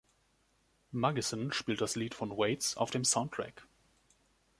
Mugison spielt das Lied von Waits auf dem Soundtrack.